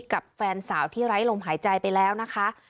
กับแฟนสาวที่ไร้ลมหายใจไปแล้วนะคะ